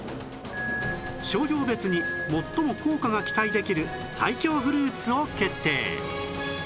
症状別に最も効果が期待できる最強フルーツを決定